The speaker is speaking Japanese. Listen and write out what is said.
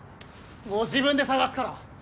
もう自分でさがすから。